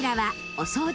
お掃除